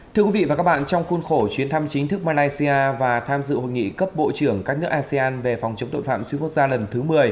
thưa quý vị và các bạn trong khuôn khổ chuyến thăm chính thức malaysia và tham dự hội nghị cấp bộ trưởng các nước asean về phòng chống tội phạm xuyên quốc gia lần thứ một mươi